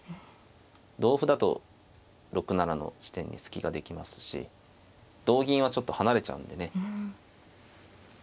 同歩だと６七の地点に隙ができますし同銀はちょっと離れちゃうんでね。